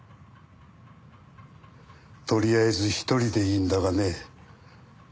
とりあえず１人でいいんだがね。